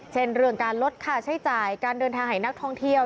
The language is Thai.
เช่นเรื่องการลดค่าใช้จ่ายการเดินทางให้นักท่องเที่ยว